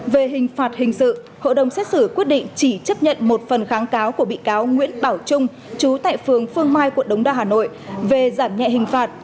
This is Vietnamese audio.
về hình phạt hình sự hội đồng xét xử quyết định chỉ chấp nhận một phần kháng cáo của bị cáo nguyễn bảo trung chú tại phường phương mai quận đống đa hà nội về giảm nhẹ hình phạt